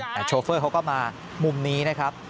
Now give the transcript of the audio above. แต่โชเฟอร์เขาก็มามุมนี้นะครับ